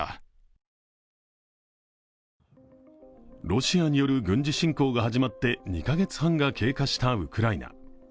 ロシアによる軍事侵攻が始まって２カ月半が経過したウクライナ。